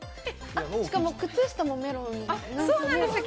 しかも、靴下もメロンなんですね。